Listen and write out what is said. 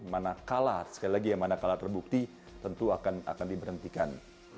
mana kalah sekali lagi ya mana kalah terbukti tentu akan diberhentikan